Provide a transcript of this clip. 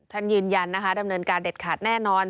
ยืนยันนะคะดำเนินการเด็ดขาดแน่นอน